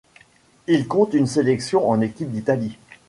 Il compte une sélection en équipe d'Italie.